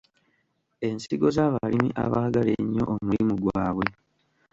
Ensigo z’abalimi abaagala ennyo omulimu gwabwe.